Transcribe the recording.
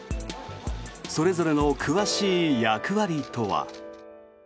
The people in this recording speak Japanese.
それぞれの詳しい役割とは。